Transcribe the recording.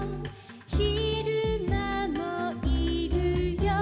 「ひるまもいるよ」